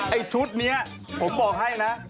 ไอ้ชุดนี้ผมบอกให้นะ